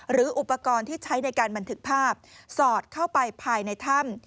หรืออุปกรณ์ที่ใช้ในการบันทึกภาพสอดเข้าไปภายในถ้ำ